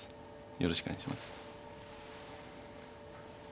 よろしくお願いします。